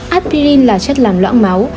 aspirin là chất làm loãng máu